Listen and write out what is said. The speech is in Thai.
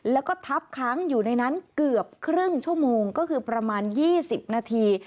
แล้วก็ทับค้างอยู่ในนั้นเกือบครึ่งชั่วโมงก็คือประมาณ๒๐นาที